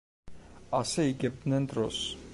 ასე იგებდნენ დროს.